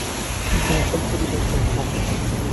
কিন্তু এসব পরিবর্তন হবে।